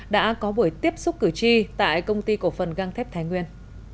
đã có buổi tiếp xúc cử tri tại công ty cổ phần găng thép thái nguyên